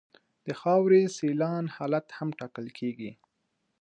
د خاورې سیلان حالت هم ټاکل کیږي